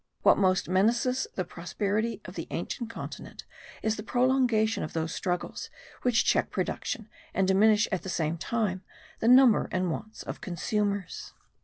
What most menaces the prosperity of the ancient continent is the prolongation of those intestine struggles which check production and diminish at the same time the number and wants of consumers.